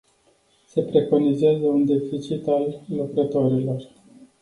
Se preconizează un deficit al lucrătorilor.